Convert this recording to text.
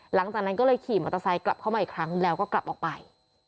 หลังจากนั้นก็เลยขี่มอเตอร์ไซค์กลับเข้ามาอีกครั้งแล้วก็กลับออกไป